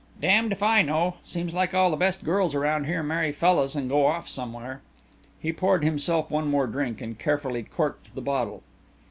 "Damned if I know. Seems like all the best girls around here marry fellas and go off somewhere." He poured himself one more drink and carefully corked the bottle.